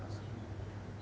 dan akan menjalani proses